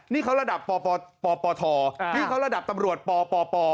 นี่เขาระดับปปทนี่เขาระดับตำรวจปป